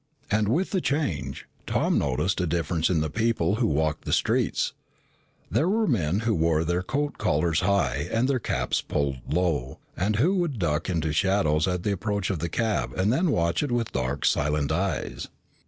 And with the change, Tom noticed a difference in the people who walked the streets. Here were men who wore their coat collars high and their caps pulled low, and who would duck into the shadows at the approach of the cab and then watch it with dark, silent eyes.